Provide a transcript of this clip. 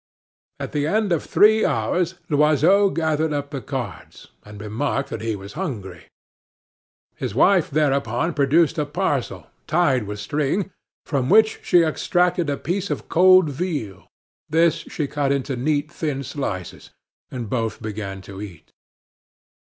Ah the end of three hours Loiseau gathered up the cards, and remarked that he was hungry. His wife thereupon produced a parcel tied with string, from which she extracted a piece of cold veal. This she cut into neat, thin slices, and both began to eat.